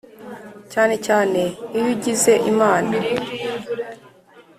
Cyane cyane iyo ugize Imana